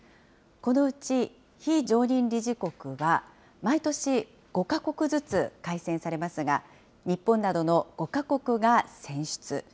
このうち非常任理事国は、毎年５か国ずつ改選されますが、日本などの５か国が選出。